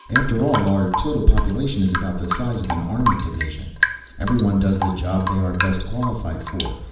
After all, our total population is about the size of an army division. Everyone does the job they are best qualified for.